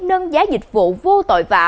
nâng giá dịch vụ vô tội vạ